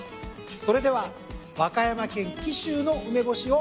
それでは和歌山県紀州の梅干しをいただきます。